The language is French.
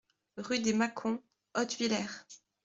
Rue des Macons, Hottviller